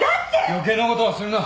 余計なことはするな。